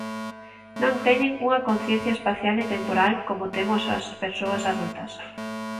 Non teñen unha conciencia espacial e temporal como temos as persoas adultas.